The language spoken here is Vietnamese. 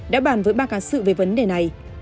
đã bàn với ba cá sự về vấn đề này